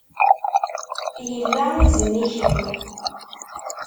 Yella izen i kemm.